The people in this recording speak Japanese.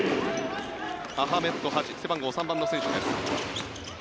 アハメッド・ハジ背番号３の選手です。